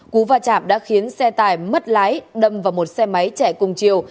cú va chạm đã khiến xe tải mất lái đâm vào một xe máy chạy cùng chiều